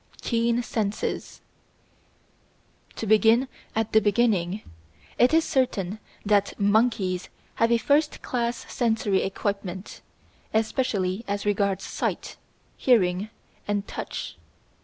Keen Senses To begin at the beginning, it is certain that monkeys have a first class sensory equipment, especially as regards sight, hearing, and touch.